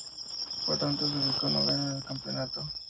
Por tanto, se ubicó noveno en el campeonato.